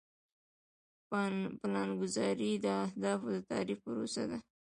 پلانګذاري د اهدافو د تعریف پروسه ده.